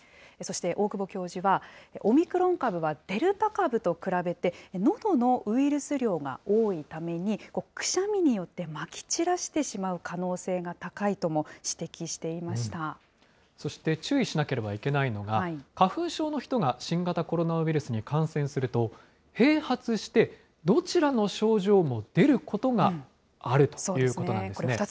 そして大久保教授は、オミクロン株はデルタ株と比べて、のどのウイルス量が多いために、くしゃみによってまき散らしてしまう可能そして注意しなければいけないのが、花粉症の人が新型コロナウイルスに感染すると、併発して、どちらの症状も出ることがあるということなんですね。